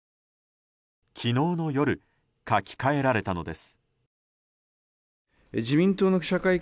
昨日の夜書き換えられたのです。